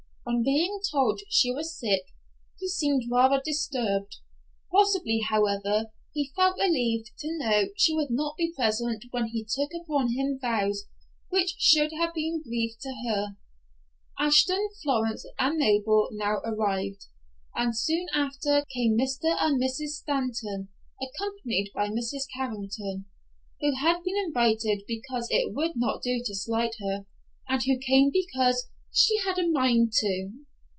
On being told she was sick, he seemed rather disturbed. Possibly, however, he felt relieved to know she would not be present when he took upon him vows which should have been breathed to her. Ashton, Florence and Mabel now arrived, and soon after came Mr. and Mrs. Stanton, accompanied by Mrs. Carrington, who had been invited because it would not do to slight her, and who came because she had a mind to!